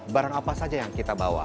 barang apa saja yang kita bawa